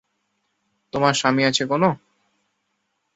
তোমার স্বামী আছে কোনো?